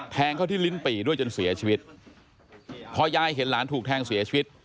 แทงเข้าที่ลิ้นปี่ด้วยจนเสียชีวิตพอยายเห็นหลานถูกแทงเสียชีวิต